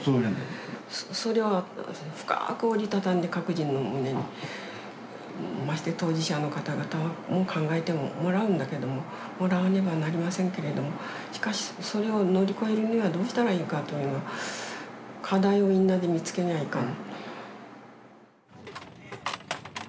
それを深く折り畳んで各人の胸にまして当事者の方々にも考えてもらうんだけどももらわねばなりませんけれどもしかしそれを乗り越えるにはどうしたらいいかというのは課題をみんなで見つけにゃいかん。